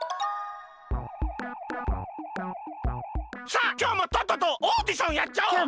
さあきょうもとっととオーディションやっちゃおう！